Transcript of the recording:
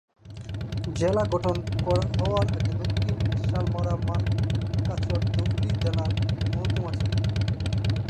জেলা গঠন হওয়ার আগে দক্ষিণ শালমারা-মানকাচর ধুবড়ী জেলার মহকুমা ছিল।